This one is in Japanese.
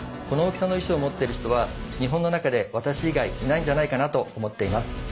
この大きさの石を持っている人は日本のなかで私以外いないんじゃないかと思っています。